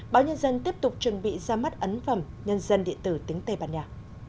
báo nhân dân tiếp tục chuẩn bị ra mắt ấn phẩm nhân dân điện tử tính tây ban nha